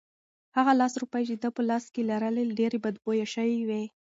هغه لس روپۍ چې ده په لاس کې لرلې ډېرې بدبویه شوې وې.